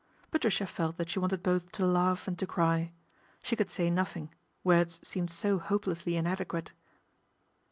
Patricia felt that she wanted both to laugh and to cry. She could say nothing, words seemed so hopelessly inadequate.